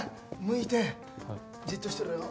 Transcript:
向いてじっとしてろよ。